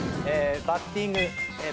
バッティング。